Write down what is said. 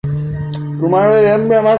এই তারাহকেই আযরও বলা হত।